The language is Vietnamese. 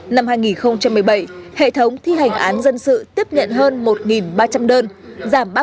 năm hai nghìn một mươi bảy hệ thống thi hành án dân sự đã thụ lý trên ba trăm tám mươi một bản án tương đương với trên ba trăm tám mươi một bản án